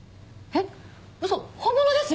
えっ。